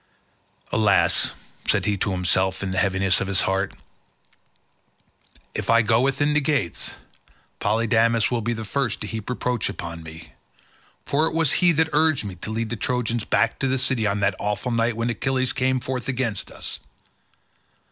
"Alas," said he to himself in the heaviness of his heart, "if I go within the gates, Polydamas will be the first to heap reproach upon me, for it was he that urged me to lead the Trojans back to the city on that awful night when Achilles again came forth against us.